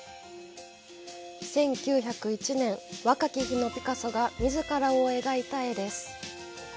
１９０１年、若き日のピカソがみずからを描いた絵です。